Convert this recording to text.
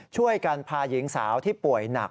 ช่วยกันพาหญิงสาวที่ป่วยหนัก